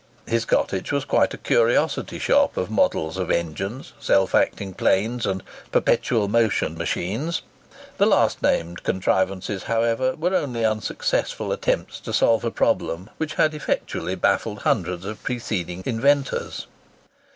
His cottage was quite a curiosity shop of models of engines, self acting planes, and perpetual motion machines. The last named contrivances, however, were only unsuccessful attempts to solve a problem which had effectually baffled hundreds of preceding inventors.